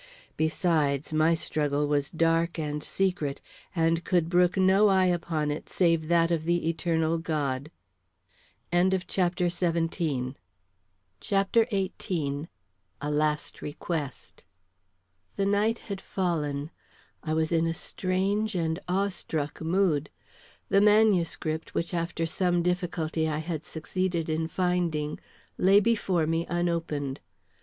Besides, my struggle was dark and secret, and could brook no eye upon it save that of the eternal God. XVIII. A LAST REQUEST. 'T is she That tempers him to this extremity. Richard III. The night had fallen. I was in a strange and awe struck mood. The manuscript, which after some difficulty I had succeeded in finding, lay before, me unopened.